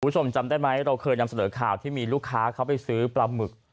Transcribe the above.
จำได้ไหมเราเคยนำเสนอข่าวที่มีลูกค้าเขาไปซื้อปลาหมึก